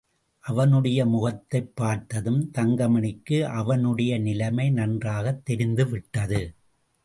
அவனுடைய முகத்தைப் பார்த்ததும் தங்கமணிக்கு அவனுடைய நிலைமை நன்றாகத் தெரிந்துவிட்டது.